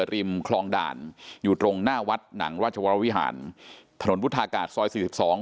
ริมคลองด่านอยู่ตรงหน้าวัดหนังราชวรวิหารถนนพุทธากาศซอยสี่สิบสอง